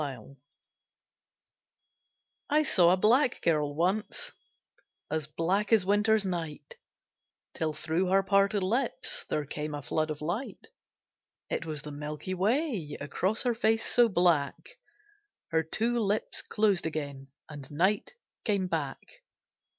SMILES I saw a black girl once, As black as winter's night; Till through her parted lips There came a flood of light; It was the milky way Across her face so black: Her two lips closed again, And night came back.